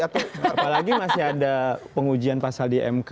apalagi masih ada pengujian pasal di mk